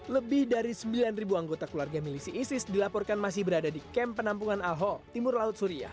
lebih dari sembilan anggota keluarga milisi isis dilaporkan masih berada di kem penampungan alho timur laut suria